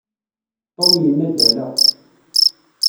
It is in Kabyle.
Tom yenna-d ala.